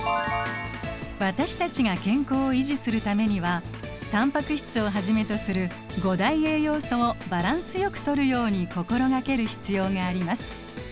私たちが健康を維持するためにはタンパク質をはじめとする五大栄養素をバランスよくとるように心掛ける必要があります。